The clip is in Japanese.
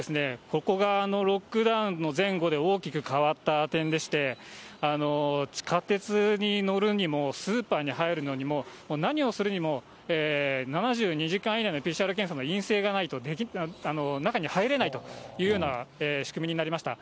ここがロックダウンの前後で大きく変わった点でして、地下鉄に乗るにも、スーパーに入るのにも、何をするにも、７２時間以内のＰＣＲ検査の陰性がないと、中に入れないというような仕組みになりました。